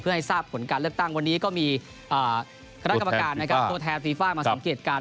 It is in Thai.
เพื่อให้ทราบผลการเลือกตั้งวันนี้ก็มีคณะกรรมการโตแทนฟีฟ่ามาสังเกตการณ์